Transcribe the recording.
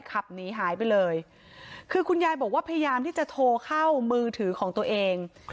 ขับหนีหายไปเลยคือคุณยายบอกว่าพยายามที่จะโทรเข้ามือถือของตัวเอง